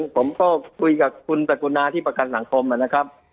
ผมก็คุยกับคุณปกุณาที่ประกันสังคมนะครับ